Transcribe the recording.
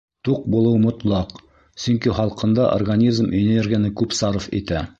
Туҡ булыу мотлаҡ, сөнки һалҡында организм энергияны күп сарыф итә.